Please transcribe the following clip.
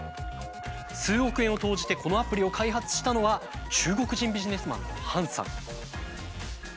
数億円を投じてこのアプリを開発したのは中国人ビジネスマンの範さん。